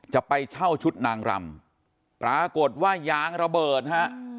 จะไปเช่าชุดนางรำปรากฏว่ายางระเบิดฮะ